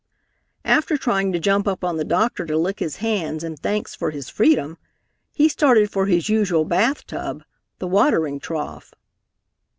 After trying to jump up on the doctor to lick his hands in thanks for his freedom, he started for his usual bath tub, the watering trough.